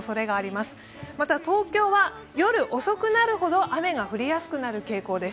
また東京は夜遅くなるほど、雨が降りやすくなる傾向です。